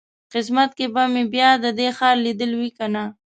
قسمت کې به مې بیا د دې ښار لیدل وي کنه.